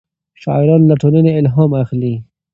شاعران له ټولنې الهام اخلي.